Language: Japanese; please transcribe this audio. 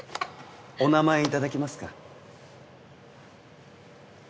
お名前頂けますか。